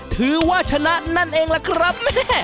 ถือว่าชนะนั่นเองล่ะครับ